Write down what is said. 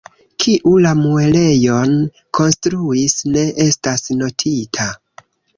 Kiu la muelejon konstruis ne estas notita.